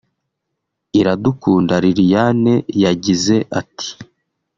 Iradukunda Liliane yagize ati